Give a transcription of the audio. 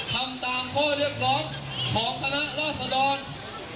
ทำตามข้อเรียกร้องของคณะราษดร